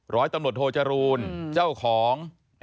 ร้อยตำรวจโทจรูลเจ้าของ